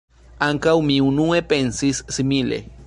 Ankaŭ mi unue pensis simile.